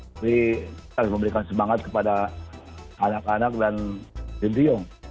tapi harus memberikan semangat kepada anak anak dan sintiong